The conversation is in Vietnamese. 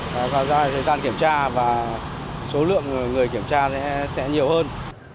có thời gian kiểm tra và số lượng người kiểm tra sẽ nhiều hơn